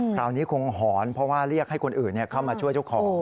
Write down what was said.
คราวนี้คงหอนเพราะว่าเรียกให้คนอื่นเข้ามาช่วยเจ้าของ